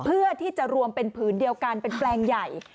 เพื่อที่จะรวมเป็นผืนเดียวกันเป็นแปลงใหญ่